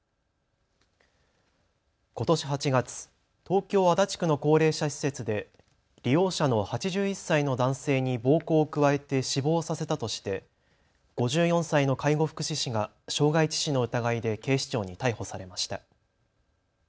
ことし８月、東京足立区の高齢者施設で利用者の８１歳の男性に暴行を加えて死亡させたとして５４歳の介護福祉士が傷害致死の疑いで警視庁に逮捕されました。